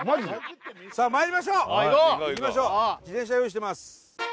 さあまいりましょうああ行こう行きましょう自転車用意してます